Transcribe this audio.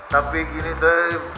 tapi gini teh